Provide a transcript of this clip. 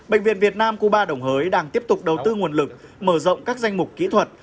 bệnh viện việt nam cuba đồng hới đang tiếp tục đầu tư nguồn lực mở rộng các danh mục kỹ thuật